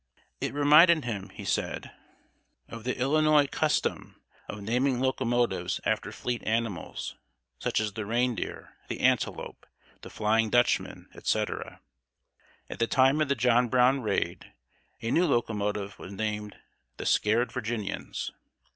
It reminded him, he said, of the Illinois custom of naming locomotives after fleet animals, such as the "Reindeer," the "Antelope," the "Flying Dutchman," etc. At the time of the John Brown raid, a new locomotive was named the "Scared Virginians."